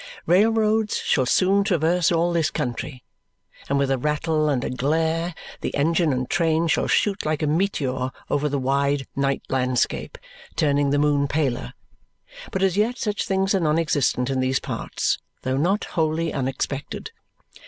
Railroads shall soon traverse all this country, and with a rattle and a glare the engine and train shall shoot like a meteor over the wide night landscape, turning the moon paler; but as yet such things are non existent in these parts, though not wholly unexpected.